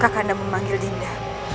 kakanda memanggil dinda